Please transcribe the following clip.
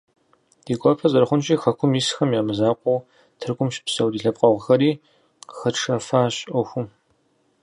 Ди гуапэ зэрыхъунщи, хэкум исхэм я мызакъуэу, Тыркум щыпсэу ди лъэпкъэгъухэри къыхэтшэфащ ӏуэхум.